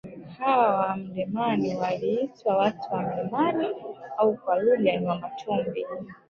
Hawa wa milimani waliitwa watu wa milimani au kwa lugha ni wamatumbi